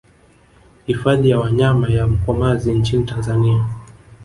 Hifadhi ya wanyama ya Mkomazi nchini Tanzania